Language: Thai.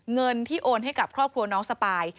เงินที่โอนให้กับครอบครัวน้องสปาย